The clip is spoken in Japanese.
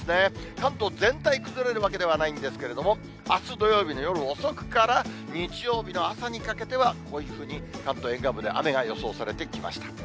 関東全体、崩れるわけではないんですけれども、あす土曜日の夜遅くから、日曜日の朝にかけては、こういうふうに関東沿岸部では雨が予想されてきました。